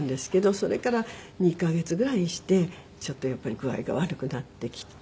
それから２カ月ぐらいしてちょっとやっぱり具合が悪くなってきて。